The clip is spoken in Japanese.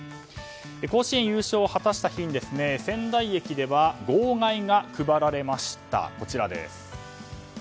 甲子園優勝を果たした日に仙台駅では号外が配られました。